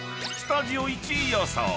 ［スタジオ１位予想。